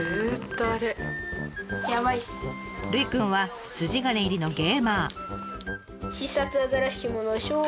ルイくんは筋金入りのゲーマー。